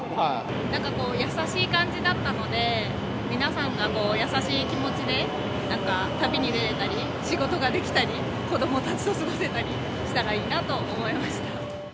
なんか、優しい感じだったので、皆さんが優しい気持ちで旅に出られたり、仕事ができたり、子どもたちと過ごせたりしたらいいなと思いました。